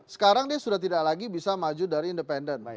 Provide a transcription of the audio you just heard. sekarang dia sudah tidak lagi bisa maju dari independen